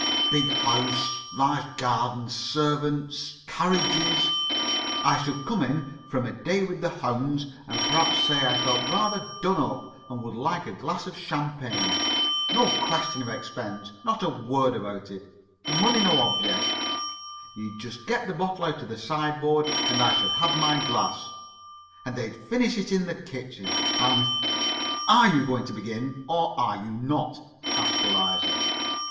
Big house, large garden, servants, carriages. I should come in from a day with the hounds, and perhaps say I felt rather done up, and would like a glass of champagne. No question of expense not a word about it money no object. You'd just get the bottle out of the sideboard, and I should have my glass, and they'd finish it in the kitchen, and " "Are you going to begin, or are you not?" asked Eliza.